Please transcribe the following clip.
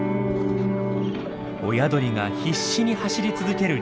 親鳥が必死に走り続ける理由。